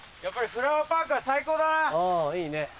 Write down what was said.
やっぱりフラワーパークは最高だな。